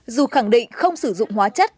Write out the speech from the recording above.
dù khẳng định không sử dụng hóa chất